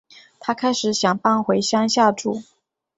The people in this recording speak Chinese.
她开始想搬回乡下住